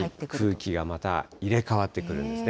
空気がまた入れかわってくるんですね。